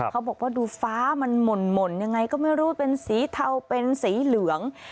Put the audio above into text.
เขาบอกว่าดูฟ้ามันหม่นยังไงก็ไม่รู้เป็นสีเทาเป็นสีเหลือง